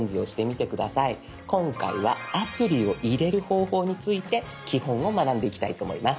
今回はアプリを入れる方法について基本を学んでいきたいと思います。